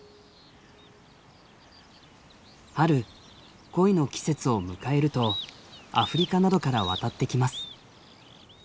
春恋の季節を迎えるとアフリカなどから渡ってきます。